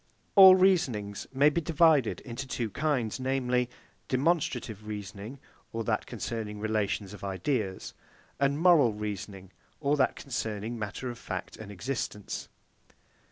All reasonings may be divided into two kinds, namely, demonstrative reasoning, or that concerning relations of ideas, and moral reasoning, or that concerning matter of fact and existence.